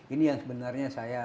ini yang sebenarnya saya